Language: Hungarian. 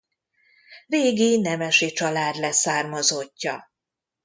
Régi nemesi család leszármazottja.